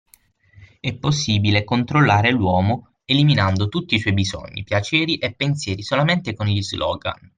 È possibile controllare l'uomo eliminando tutti i suoi bisogni, piaceri e pensieri solamente con gli slogan